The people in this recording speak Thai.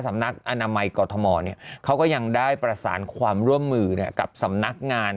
สำนักอนามัยกรทมเขาก็ยังได้ประสานความร่วมมือกับสำนักงาน